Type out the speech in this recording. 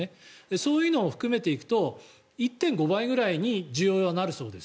そういうのを含めていくと１．５倍くらいに需要はなるそうです。